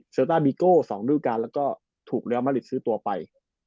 เซลต้าบิโกสองรูปการณ์แล้วก็ถูกเลี้ยวมาริษฐ์ซื้อตัวไป